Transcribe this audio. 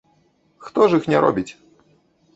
Хто ж іх не робіць?